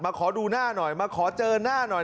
ขอดูหน้าหน่อยมาขอเจอหน้าหน่อย